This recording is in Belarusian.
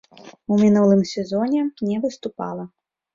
У мінулым сезоне не выступала.